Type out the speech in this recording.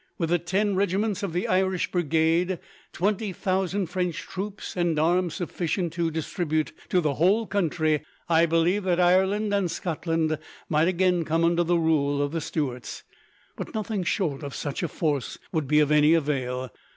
With the ten regiments of the Irish Brigade, twenty thousand French troops, and arms sufficient to distribute to the whole country, I believe that Ireland and Scotland might again come under the rule of the Stuarts; but nothing short of such a force would be of any avail.